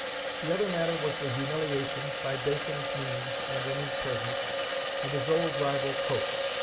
The other matter was the humiliation, by Bacon's means and in his presence, of his old rival Coke.